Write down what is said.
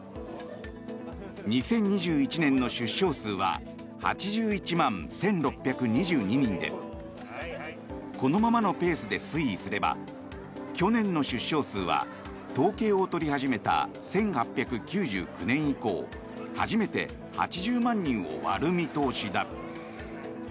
２０２１年の出生数は８１万１６２２人でこのままのペースで推移すれば去年の出生数は統計を取り始めた１８９９年以降初めて８０万人を割る見通しだ。